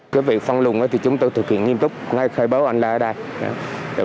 quý vị phong lùng thì chúng tôi thực hiện nghiêm túc ngay khởi báo anh là ở đây